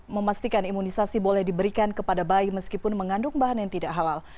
memastikan imunisasi boleh diberikan kepada bayi meskipun mengandung bahan yang tidak halal